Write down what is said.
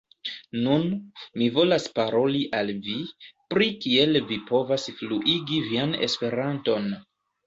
Nun, mi volas paroli al vi, pri kiel vi povas fluigi vian Esperanton.